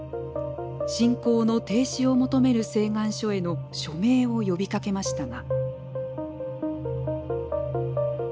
侵攻の停止を求める請願書への署名を呼びかけましたが。